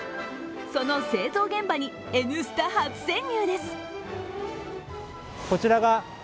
その製造現場に「Ｎスタ」初潜入です。